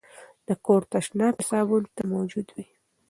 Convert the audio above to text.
د کور تشناب کې صابون تل موجود وي.